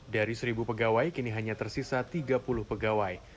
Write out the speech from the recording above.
dari seribu pegawai kini hanya tersisa tiga puluh pegawai